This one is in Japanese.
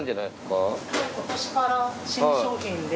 今年から新商品で。